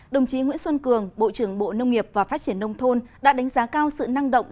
đồng chí nguyễn xuân cường bộ trưởng bộ nông nghiệp và phát triển nông thôn đã đánh giá cao sự năng động